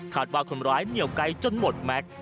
ว่าคนร้ายเหนียวไกลจนหมดแม็กซ์